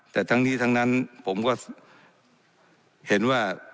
แต่ทั้งนี้ทั้งนั้นผมก็เห็นว่า